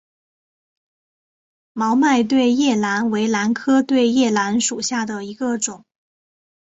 毛脉对叶兰为兰科对叶兰属下的一个种。